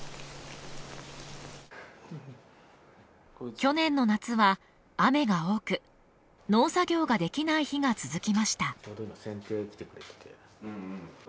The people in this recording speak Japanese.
去年の夏は雨が多く農作業ができない日が続きました。